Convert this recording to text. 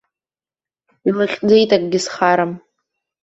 Илыхьӡеит акгьы зхарам.